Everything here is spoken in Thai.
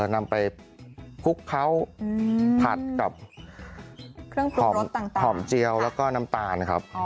ข้างบัวแห่งสันยินดีต้อนรับทุกท่านนะครับ